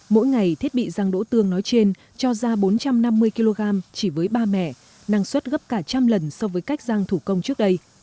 mỗi ngày thiết bị rang đỗ tương nói trên cho ra bốn trăm năm mươi kg chỉ với ba mẹ năng suất gấp cả trăm lần so với cách răng thủ công trước đây